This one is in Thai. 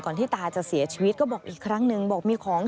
ก่อนที่ตาจะเสียชีวิตก็บอกอีกครั้งนึง